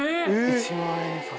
一万円札。